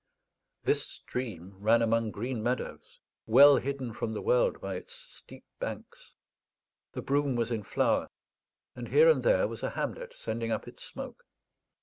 This stream ran among green meadows, well hidden from the world by its steep banks; the broom was in flower, and here and there was a hamlet sending up its smoke.